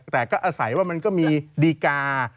แต่ใส่ว่ามันก็มีดีกา